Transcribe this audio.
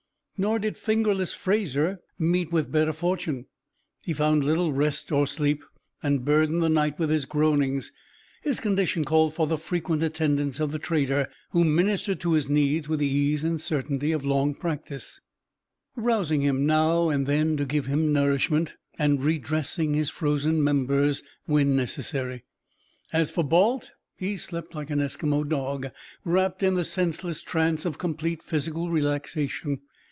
Nor did "Fingerless" Fraser meet with better fortune. He found little rest or sleep, and burdened the night with his groanings. His condition called for the frequent attendance of the trader, who ministered to his needs with the ease and certainty of long practice, rousing him now and then to give him nourishment, and redressing his frozen members when necessary. As for Balt, he slept like an Eskimo dog, wrapped in the senseless trance of complete physical relaxation.